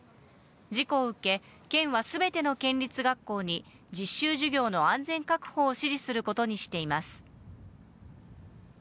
事故を受け、県はすべての県立学校に、実習授業の安全確保を指示することにしています。